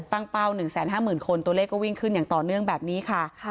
เป้า๑๕๐๐๐คนตัวเลขก็วิ่งขึ้นอย่างต่อเนื่องแบบนี้ค่ะ